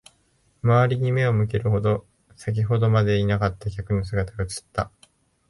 周りに目を向けると、先ほどまでいなかった客の姿が映った。